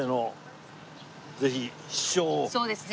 そうですね。